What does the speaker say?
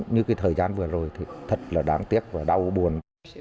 như cái thời gian vừa rồi thì thật là đáng tiếc và đau buồn